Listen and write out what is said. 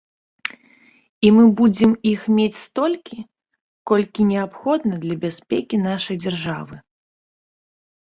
І мы будзем іх мець столькі, колькі неабходна для бяспекі нашай дзяржавы.